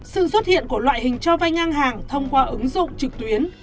sự xuất hiện của loại hình cho vay ngang hàng thông qua ứng dụng trực tuyến